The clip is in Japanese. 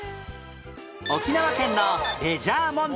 沖縄県のレジャー問題